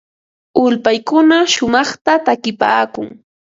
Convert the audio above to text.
Ulpaykuna shumaqta takipaakun.